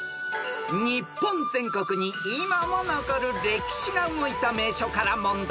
［日本全国に今も残る歴史が動いた名所から問題］